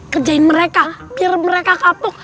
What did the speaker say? kerjain mereka biar mereka kapok